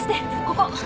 ここ！